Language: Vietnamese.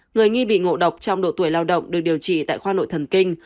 người nghi bị ngộ độc trong độ tuổi lao động được điều trị tại khoa nội thần kinh